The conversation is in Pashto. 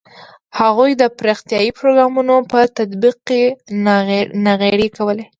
هغوی د پراختیايي پروګرامونو په تطبیق کې ناغېړي کوله.